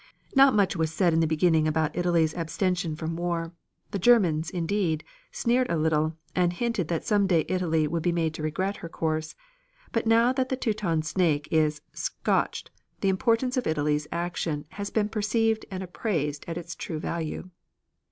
Not much was said in the beginning about Italy's abstention from war. The Germans, indeed, sneered a little and hinted that some day Italy would be made to regret her course, but now that the Teuton snake is scotched the importance of Italy's action has been perceived and appraised at its true value.